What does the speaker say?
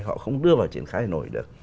họ không đưa vào triển khai nổi được